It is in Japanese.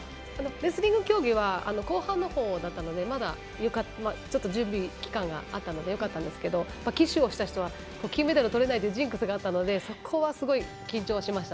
レスリングは後半だったのでちょっと準備期間があったのでよかったんですけど旗手をした人は金メダルをとれないというジンクスがあったのでそこはすごい緊張しました。